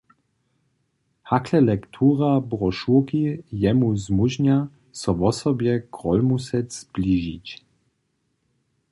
Hakle lektura brošurki jemu zmóžnja, so wosobje Grólmusec zbližić.